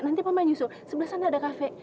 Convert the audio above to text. nanti mama nyusul sebelah sana ada cafe